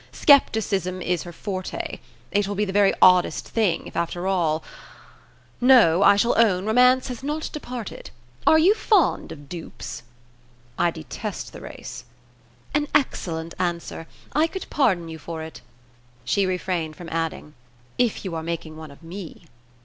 Scepticism is her forte. It will be the very oddest thing if after all ...! No, I shall own, romance has not departed. Are you fond of dupes?" "I detest the race." "An excellent answer. I could pardon you for it." She refrained from adding, "If you are making one of me."